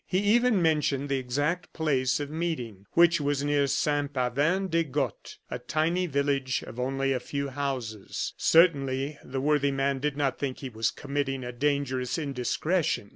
He even mentioned the exact place of meeting, which was near Saint Pavin des Gottes, a tiny village of only a few houses. Certainly the worthy man did not think he was committing a dangerous indiscretion.